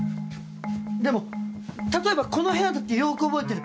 でも例えばこの部屋だってよく覚えてる。